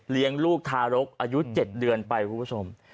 ลูกทารกอายุ๗เดือนไปคุณผู้ชม